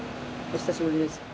お久しぶりです。